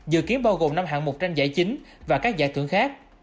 dự kiến bao gồm năm hạng mục tranh giải chính và các giải thưởng khác